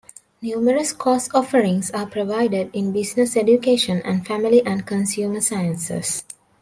Numerous course offerings are provided in business education and family and consumer sciences.